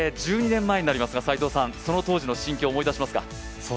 １２年前になりますが、その当時の心境を思い出しますか？